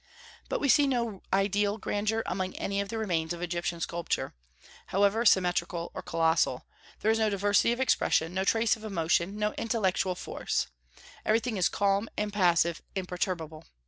But we see no ideal grandeur among any of the remains of Egyptian sculpture; however symmetrical or colossal, there is no diversity of expression, no trace of emotion, no intellectual force, everything is calm, impassive, imperturbable.